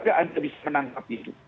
ada kesatuan bisa menangkap itu